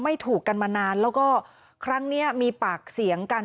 ถูกกันมานานแล้วก็ครั้งนี้มีปากเสียงกัน